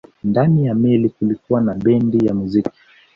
Ndani ya meli kulikuwa na bendi ya muziki